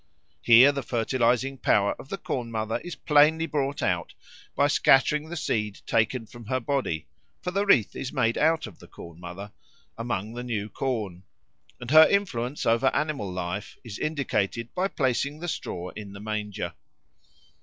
Here the fertilising power of the Corn mother is plainly brought out by scattering the seed taken from her body (for the wreath is made out of the Corn mother) among the new corn; and her influence over animal life is indicated by placing the straw in the manger.